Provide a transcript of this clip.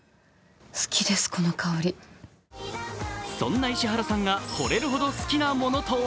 そんな石原さんがほれるほど好きなものは